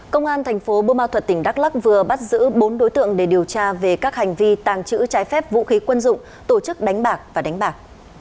công an thành phố bô ma thuật tỉnh đắk lắc vừa bắt giữ bốn đối tượng để điều tra về các hành vi tàng trữ trái phép vũ khí quân dụng tổ chức đánh bạc và đánh bạc